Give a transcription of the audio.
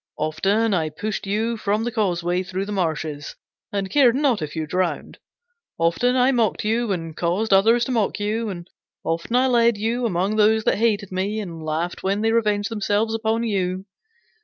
Often I pushed you from the causeway through the marshes, and cared not if you drowned. Often I mocked you, and caused others to mock you. And often I led you among those that hated me, and laughed when they revenged themselves upon you.